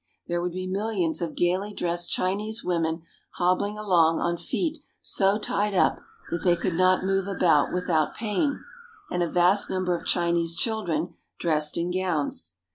There would be millions of gayly dressed Chinese women hobbling along on feet so tied up that they could not move about without pain, and a vast number of Chinese children dressed in gowns.